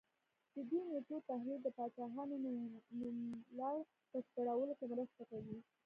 د دې نېټو تحلیل د پاچاهانو نوملړ په بشپړولو کې مرسته کوي